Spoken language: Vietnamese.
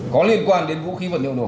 có liên quan đến vũ khí vật liệu nổ